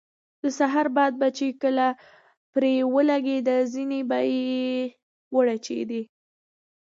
د سهار باد به چې کله پرې ولګېده زنې یې وړچېدې.